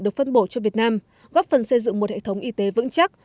được phân bổ cho việt nam góp phần xây dựng một hệ thống y tế vững chắc